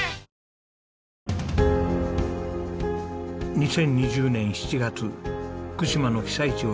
２０２０年７月福島の被災地を